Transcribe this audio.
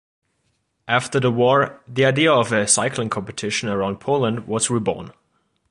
After the war, the idea of a cycling competition around Poland was reborn.